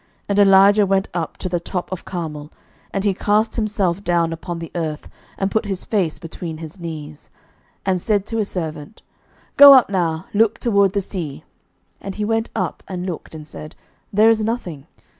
And Elijah went up to the top of Carmel; and he cast himself down upon the earth, and put his face between his knees, 11:018:043 And said to his servant, Go up now, look toward the sea. And he went up, and looked, and said, There is nothing.